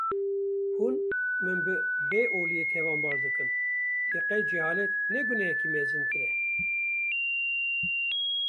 Hûn, min bi bêoliyê tawanbar dikin lê qey cehalet ne gunehekî mezintir e?